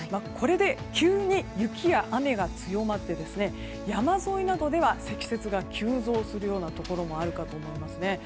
これで急に雪や雨が強まって山沿いなどでは積雪が急増するところもあるかと思います。